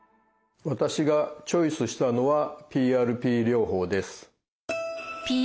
私がチョイスしたのは「ＰＲＰ療法」？